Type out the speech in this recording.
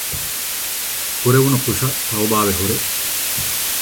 ކުރެވުނު ކުށަށް ތަޢުބާވެހުރޭ